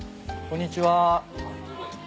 こんにちは。